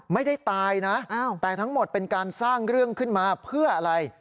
ไม่ได้ตายนะแต่ทั้งหมดเป็นการสร้างเรื่องขึ้นมาเพื่ออะไร